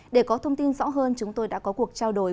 để có thông tin rõ hơn chúng tôi đã có cuộc trao đổi